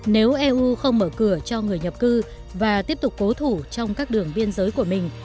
nếu eu không mở cửa cho người nhập cư và tiếp tục cố thủ trong các đường biên giới của mình